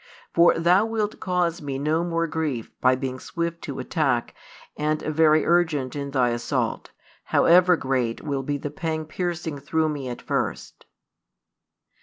For thou wilt cause Me no more grief by being swift to attack and |203 very urgent in thy assault, however great will be the pang piercing through Me at first."